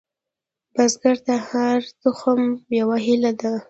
بزګر ته هره تخم یوه هیلې ده